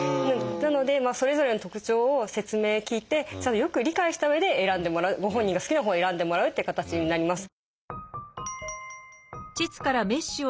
なのでそれぞれの特徴を説明を聞いてちゃんとよく理解したうえで選んでもらうご本人が好きなほうを選んでもらうという形になります。